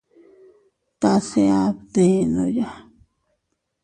Tase a dbenoya.